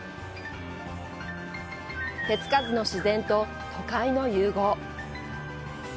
手付かずの自然と、都会の融合。